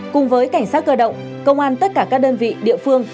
cùng với cảnh sát cơ động công an tất cả các đơn vị địa phương